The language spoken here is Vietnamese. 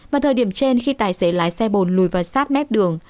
vào thời điểm trên khi tài xế lái xe bồn lùi vào sát mép đường